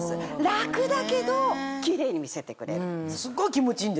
楽だけどキレイにみせてくれる。